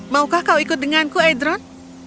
maukah kau ikut denganku edron